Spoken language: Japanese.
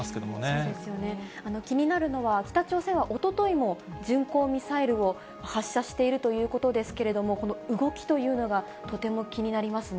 そうですよね、気になるのは、北朝鮮はおとといも巡航ミサイルを発射しているということですけれども、この動きというのが、とても気になりますね。